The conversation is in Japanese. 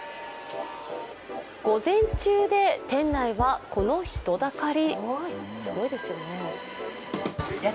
午前中で店内はこの人だかり。